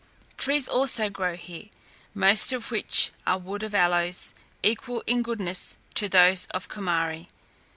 Trees also grow here, most of which are wood of aloes, equal in goodness to those of Comari.